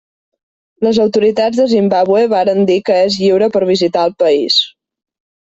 Les autoritats de Zimbàbue varen dir que és lliure per visitar el país.